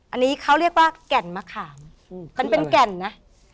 อันนี้เขาเรียกว่าแก่นมะขามมันเป็นแก่นนะ